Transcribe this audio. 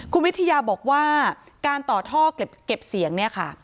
คุณวิทยาบอกว่าการต่อท่อเก็บเสียงเนี่ยค่ะ